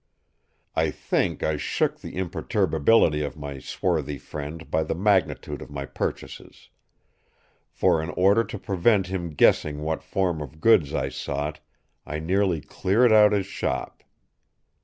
I think I shook the imperturbability of my swarthy friend by the magnitude of my purchases; for in order to prevent him guessing what form of goods I sought, I nearly cleared out his shop.